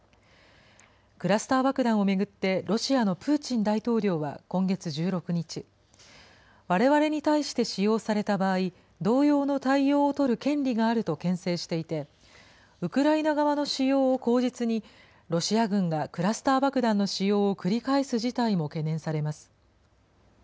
クラスター爆弾を巡ってロシアのプーチン大統領は今月１６日、われわれに対して使用された場合、同様の対応を取る権利があるとけん制していて、ウクライナ側の使用を口実に、ロシア軍がクラスター爆弾の使用を繰り返す事態も懸念されます。